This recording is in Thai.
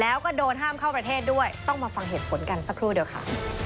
แล้วก็โดนห้ามเข้าประเทศด้วยต้องมาฟังเหตุผลกันสักครู่เดียวค่ะ